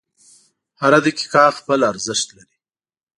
• هره دقیقه خپل ارزښت لري.